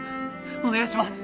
お願いします！